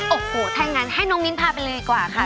โอ้โหถ้างั้นให้น้องมิ้นพาไปเลยดีกว่าค่ะ